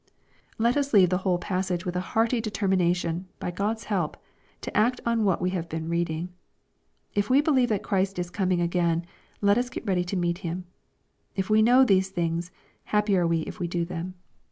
Let us leave the whole passage with a hearty deter mination, by God's help, to act on what we have been reading. If we believe that Christ is coming a/;; ^in, le*. us get ready to meet Him. "If we know the; iT3 fhihgs, happy are we if we do them.''